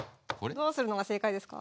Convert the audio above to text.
どうするのが正解ですか？